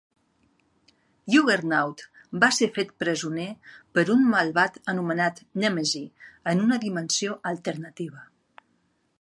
Juggernaut va ser fet presoner per un malvat anomenat Nèmesi en una dimensió alternativa.